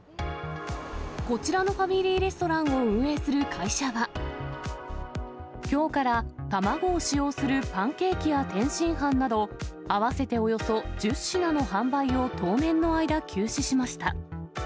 こちらのファミリーレストランを運営する会社は、きょうから卵を使用するパンケーキや天津飯など、合わせておよそ１０品の販売を、当面の間、休止しました。